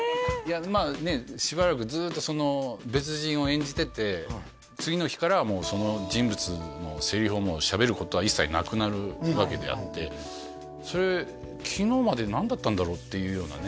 まあねしばらくずっとその別人を演じてて次の日からはもうその人物のセリフをしゃべることは一切なくなるわけであってそれ昨日まで何だったんだろう？っていうようなね